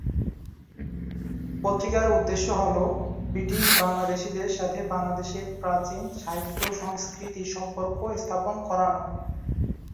পত্রিকার উদ্দেশ্য হলো ব্রিটিশ বাংলাদেশীদের সাথে বাংলাদেশের প্রাচীন সাহিত্য-সংস্কৃতির সম্পর্ক স্থাপন করানো।